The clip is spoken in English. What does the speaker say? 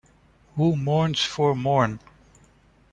Who Mourns for Morn?